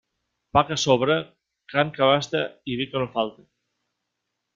Pa que sobre, carn que abaste i vi que no falte.